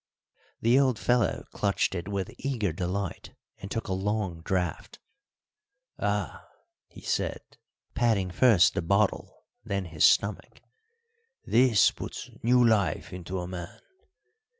The old fellow clutched it with eager delight and took a long draught. "Ah!" he said, patting first the bottle, then his stomach, "this puts new life into a man!